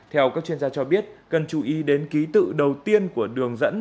theo các chuyên gia cho biết cần chú ý đến ký tự đầu tiên của đường dẫn